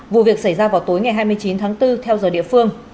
vụ việc xảy ra vào tối ngày hai mươi chín tháng bốn theo giờ địa phương